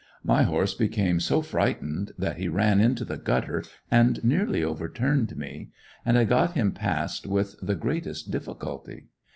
My horse became so frightened that he ran into the gutter, and nearly overturned me; and I got him past with the greatest difficulty.